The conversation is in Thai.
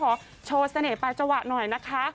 โขโชว์เสน่ห์ปัจจวะหน่อยนะคะ